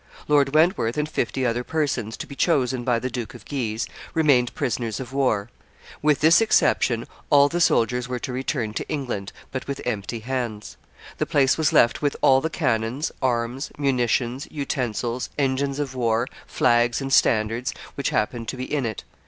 Lord Wentworth and fifty other persons, to be chosen by the Duke of Guise, remained prisoners of war; with this exception, all the soldiers were to return to England, but with empty hands. The place was left with all the cannons, arms, munitions, utensils, engines of war, flags and standards which happened to be in it.